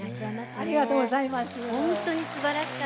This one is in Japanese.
ありがとうございます。